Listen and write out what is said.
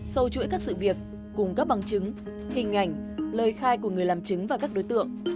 sau chuỗi các sự việc cùng các bằng chứng hình ảnh lời khai của người làm chứng và các đối tượng